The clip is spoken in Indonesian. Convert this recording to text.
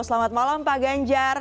selamat malam pak ganjar